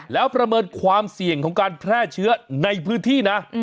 แล้วประเมินความเสี่ยงของการแพร่เชื้อในพื้นที่นะ